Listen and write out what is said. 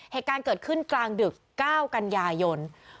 เหตุการณ์เกิดขึ้นกลางดึก๙กันยายน